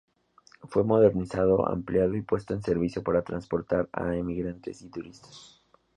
Fue modernizado, ampliado y puesto en servicio para transportar a emigrantes y turistas.